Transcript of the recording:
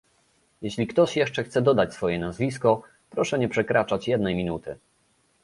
Jeśli ktoś jeszcze chce dodać swoje nazwisko, proszę nie przekraczać jednej minuty